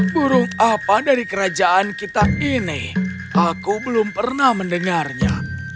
burung apa dari kerajaan kita ini aku belum pernah mendengarnya